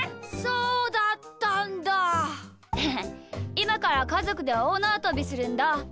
いまからかぞくでおおなわとびするんだ。